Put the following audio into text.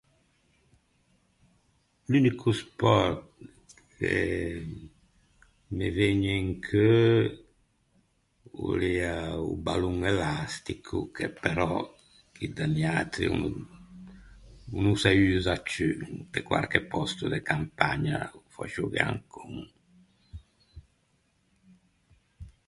L’unico sport che me vëgne in cheu o l’ea o ballon elastico, che però chì da niatri o no o no se usa ciù. De quarche pòsto de campagna fòscia o gh’é ancon.